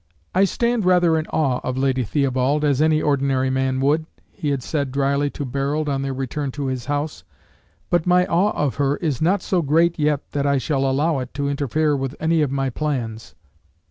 "I stand rather in awe of Lady Theobald, as any ordinary man would," he had said dryly to Barold, on their return to his house. "But my awe of her is not so great yet that I shall allow it to interfere with any of my plans."